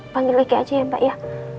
panggil lagi aja ya mbak ya